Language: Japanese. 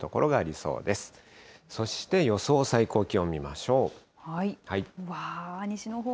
そして、予想最高気温見ましょう。